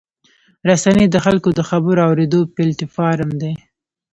رسنۍ د خلکو د خبرو اورېدو پلیټفارم دی.